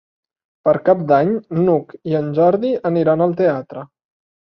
Per Cap d'Any n'Hug i en Jordi aniran al teatre.